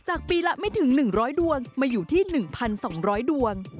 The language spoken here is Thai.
จากปีละไม่ถึง๑๐๐ดวงมาอยู่ที่๑๒๐๐ดวง